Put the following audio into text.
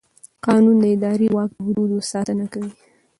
قانون د اداري واک د حدودو ساتنه کوي.